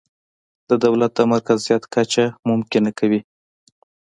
د دولت د مرکزیت کچه ممکنه کوي.